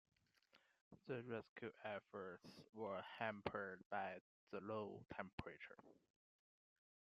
The rescue efforts were hampered by the low temperature.